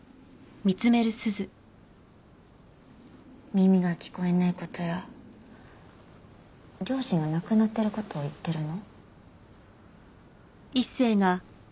耳が聞こえない事や両親が亡くなってる事を言ってるの？